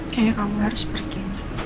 kayaknya kamu harus pergi